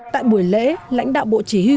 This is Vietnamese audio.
tại buổi lễ lãnh đạo bộ chỉ huy